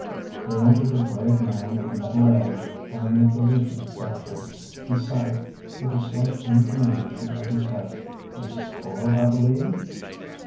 There entered a grave man of middle age, carrying a physician's satchel. He said, with a slight inclination of his head: "Mrs. Quard, I believe?"